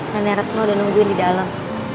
nenek retno udah nungguin di dalam